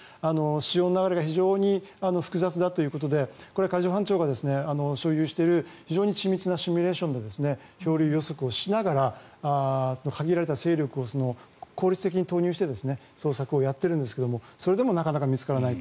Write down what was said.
潮の流れが非常に複雑だということで海上保安庁が所有しているシミュレーションで漂流予測をしながら限られた勢力を効率的に投入して捜索しているんですがそれでもなかなか見つからない。